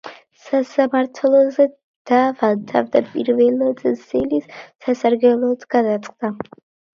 სასამართლოზე დავა თავდაპირველად სელის სასარგებლოდ გადაწყდა.